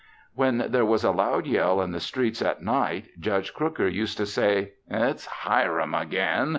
When there was a loud yell in the streets at night Judge Crooker used to say, "It's Hiram again!